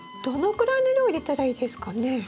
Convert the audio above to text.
どのくらいの量入れたらいいですかね？